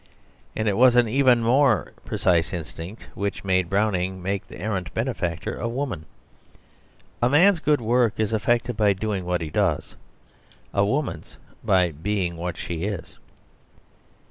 And it was an even more precise instinct which made Browning make the errant benefactor a woman. A man's good work is effected by doing what he does, a woman's by being what she is.